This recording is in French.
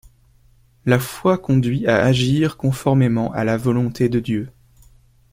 La foi conduit à agir conformément à la volonté de Dieu.